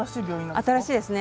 新しいですね。